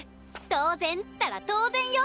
当然ったら当然よ！